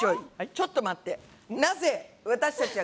ちょっと待って！